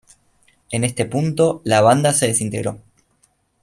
En este punto la banda se desintegró.